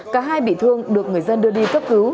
cả hai bị thương được người dân đưa đi cấp cứu